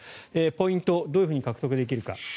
ポイントどういうふうに獲得できるか。